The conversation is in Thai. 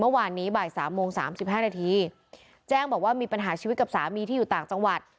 เมื่อวานนี้บ่ายสามโมงสามสิบห้านาทีแจ้งบอกว่ามีปัญหาชีวิตกับสามีที่อยู่ต่างจังหวัด